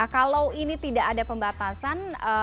kalau ini tidak ada pembatasan